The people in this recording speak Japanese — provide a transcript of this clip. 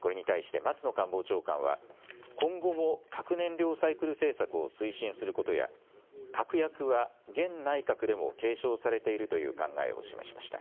これに対して松野官房長官は今後も核燃料サイクル政策を推進することや確約は現内閣でも継承されているという考えを示しました。